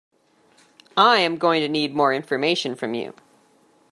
I am going to need more information from you